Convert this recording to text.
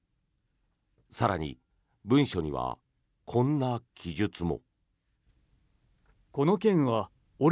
更に、文書にはこんな記述も。